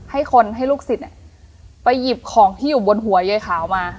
ให้คนให้ลูกศิษย์ไปหยิบของที่อยู่บนหัวยายขาวมา